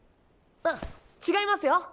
あ違いますよ。